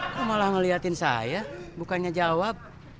kok malah ngeliatin saya bukannya jawab